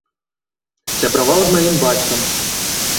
Сябраваў з маім бацькам.